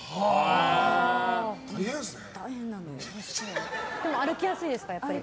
大変ですね。